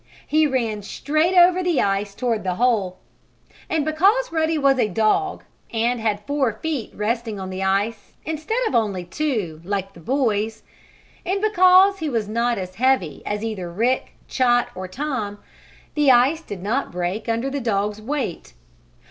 He ran straight over the ice toward the hole. And because Ruddy was a dog, and had four feet resting on the ice, instead of only two, like the boys, and because he was not as heavy as either Rick, Chot or Tom, the ice did not break under the dog's weight.